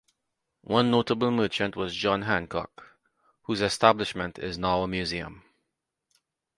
One notable merchant was John Hancock, whose establishment is now a museum.